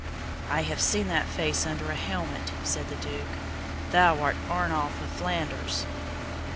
"I have seen that face under a helmet," said the Duke. "Thou art Arnulf of Flanders!"